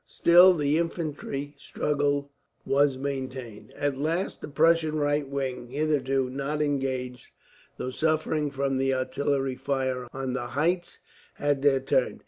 Still the infantry struggle was maintained. At last the Prussian right wing, hitherto not engaged, though suffering from the artillery fire on the heights, had their turn.